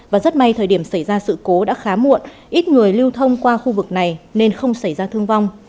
và rất may thời điểm xảy ra sự cố đã khá muộn ít người lưu thông qua khu vực này nên không xảy ra thương vong